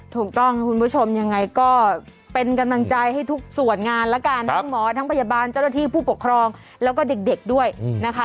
ถูกต้องคุณผู้ชมยังไงก็เป็นกำลังใจให้ทุกส่วนงานแล้วกันทั้งหมอทั้งพยาบาลเจ้าหน้าที่ผู้ปกครองแล้วก็เด็กด้วยนะคะ